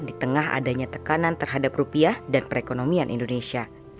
di tengah adanya tekanan terhadap rupiah dan perekonomian indonesia